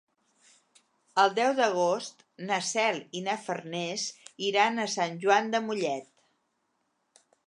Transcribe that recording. El deu d'agost na Cel i na Farners iran a Sant Joan de Mollet.